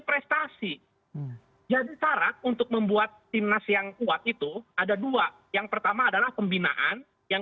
prestasi jadi syarat untuk membuat timnas yang kuat itu ada dua yang pertama adalah pembinaan yang